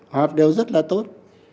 họp đều rất là tốt